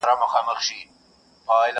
لرګی په اور کي ښوروي په اندېښنو کي ډوب دی!.